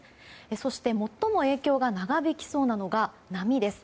そして最も影響が長引きそうなのが波です。